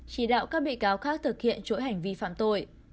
chỉ đạo các bị cáo khác thực hiện chuỗi hành vi phạm tội